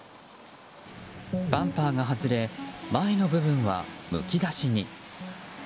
バンパーが外れ前の部分はむき出しに。